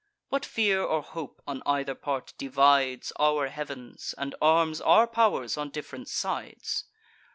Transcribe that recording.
What fear or hope on either part divides Our heav'ns, and arms our powers on diff'rent sides?